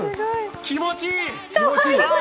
気持ちいい！